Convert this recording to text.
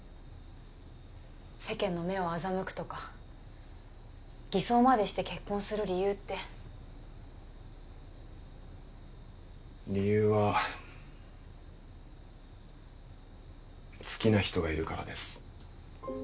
世間の目を欺くとか偽装までして結婚する理由って理由は好きな人がいるからです